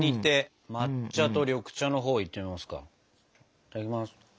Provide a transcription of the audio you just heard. いただきます。